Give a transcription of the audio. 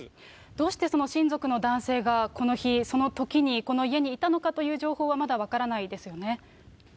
どうしてその親族の男性がこの日、そのときにこの家にいたのかという情報はまだ分からないですよね。